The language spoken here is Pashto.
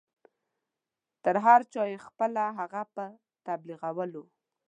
تر هر چا یې پخپله هغه په تبلیغولو.